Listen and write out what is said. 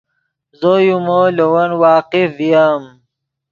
زو یو مو لے ون واقف ڤییم